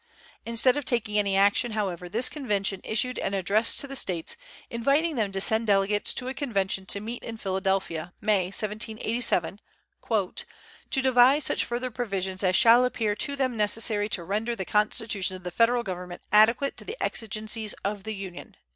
Instead of taking any action, however, this convention issued an address to the States inviting them to send delegates to a convention to meet in Philadelphia May, 1787, "to devise such further provisions as shall appear to them necessary to render the constitution of the Federal Government adequate to the exigencies of the Union."